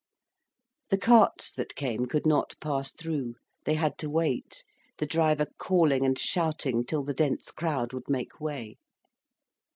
The carts that came could not pass through. They had to wait, the driver calling and shouting, till the dense crowd would make way.